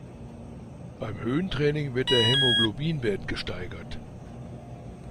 Beim Höhentraining wird der Hämoglobinwert gesteigert.